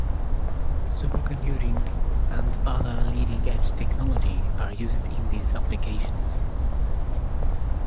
Supercomputing and other leading-edge technology are used in these applications.